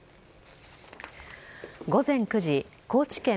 午前９時高知県